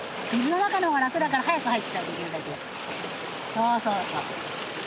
そうそうそう。